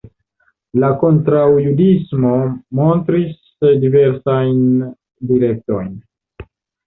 La kontraŭjudismo montris diversajn direktojn.